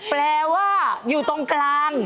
แปลว่าอยู่ตรงกลาง